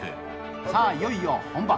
さあ、いよいよ本番。